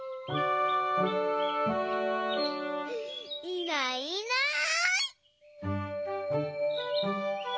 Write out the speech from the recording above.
いないいない。